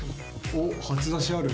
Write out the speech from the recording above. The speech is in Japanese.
お初出しある？